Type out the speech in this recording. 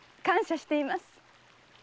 感謝しています。